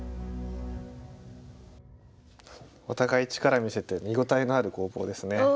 お互い力見せて見応えのある攻防ですね。